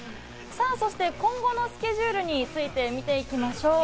そして、今後のスケジュールについて見ていきます。